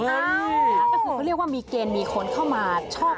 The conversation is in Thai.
ใช่นะก็คือเขาเรียกว่ามีเกณฑ์มีคนเข้ามาชอบ